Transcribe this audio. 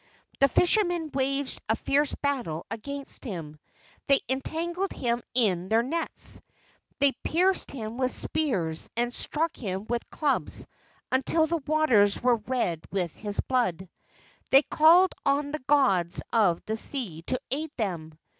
The fishermen waged a fierce battle against him. They entangled him in their nets, they pierced him with spears and struck him with clubs until the waters were red with his blood. They called on the gods of the sea to aid them.